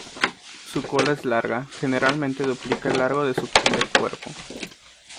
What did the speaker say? Su cola es larga, generalmente duplica el largo del cuerpo.